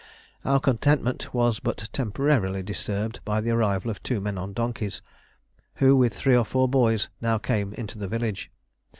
Our contentment was but temporarily disturbed by the arrival of two men on donkeys who with three or four boys now came into the village.